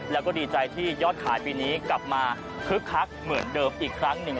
แล้วก็ดีใจที่ยอดขายปีนี้กลับมาคึกคักเหมือนเดิมอีกครั้งหนึ่ง